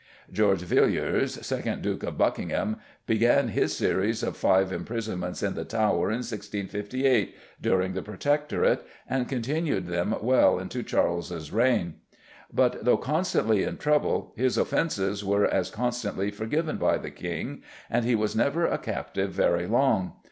George Villiers, second Duke of Buckingham, began his series of five imprisonments in the Tower in 1658, during the Protectorate, and continued them well into Charles's reign. But though constantly in trouble his offences were as constantly forgiven by the King, and he was never a captive very long.